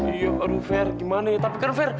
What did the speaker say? iya aduh fer gimana ya tapi kan fer